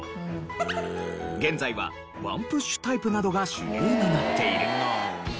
現在はワンプッシュタイプなどが主流になっている。